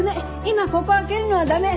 今ここを開けるのは駄目！